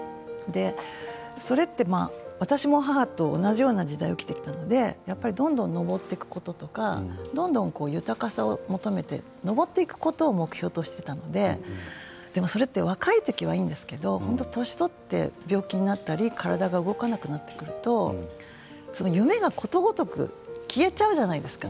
それって私も母と同じような時代を生きてきたのでどんどんのぼっていくこととか豊かさを求めてのぼっていくことを目標としていたのでそれって若い時はいいんですけど年を取って病気になったり体が動かなくなってくると夢が、ことごとく消えてしまうじゃないですか。